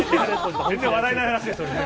全然笑えない話ですよね。